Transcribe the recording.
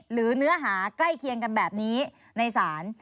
หรือเนื้อหาใกล้เคียงกันแบบนี้ในศาล